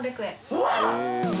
うわっ！